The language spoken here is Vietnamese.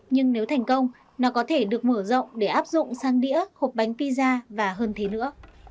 nhưng nếu thành công nó có thể được mở rộng để áp dụng sang đĩa hộp bánh pizza và hơn thế nữa